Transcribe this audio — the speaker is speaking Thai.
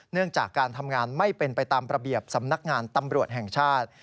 เนื่องจากการทำงานไม่เป็นไปตามระเบียบสำนักงานตำรวจแห่งชาติ